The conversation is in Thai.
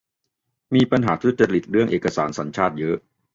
มีปัญหาทุจริตเรื่องเอกสารสัญชาติเยอะ